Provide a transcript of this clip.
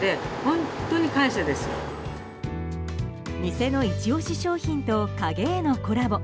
店のイチ押し商品と影絵のコラボ。